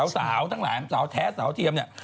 สาวทั้งหลานสาวแท้สาวเทียมเนี่ย